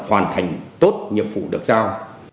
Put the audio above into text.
hoàn thành tốt nhiệm vụ được giao